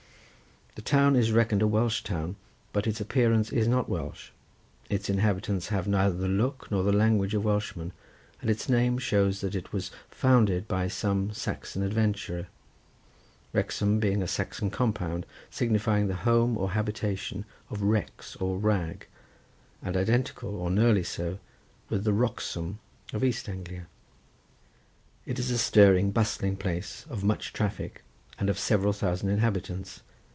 The town is reckoned a Welsh town, but its appearance is not Welsh—its inhabitants have neither the look nor language of Welshmen, and its name shows that it was founded by some Saxon adventurer, Wrexham being a Saxon compound, signifying the home or habitation of Rex or Rag, and identical, or nearly so, with the Wroxham of East Anglia. It is a stirring bustling place, of much traffic, and of several thousand inhabitants.